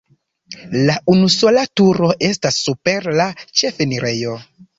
La unusola turo estas super la ĉefenirejo.